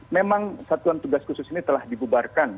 memang satuan tugas khusus ini telah dibubarkan